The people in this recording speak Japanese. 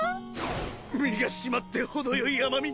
身が締まって程よい甘み。